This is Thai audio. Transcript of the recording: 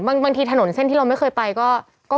บางทีถนนเส้นที่เราไม่เคยไปก็